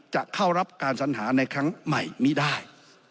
จะเข้ารับการสัญหาในครั้งใหม่นี้ได้